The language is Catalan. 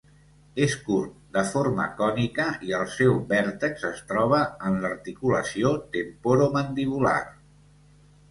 És curt, de forma cònica i el seu vèrtex es troba en l'articulació temporomandibular.